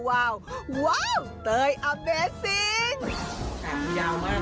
ว้าวเต๋ยอเมสซิ่ง